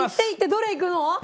どれいくの？